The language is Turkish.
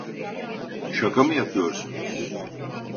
Şaka mı yapıyorsunuz?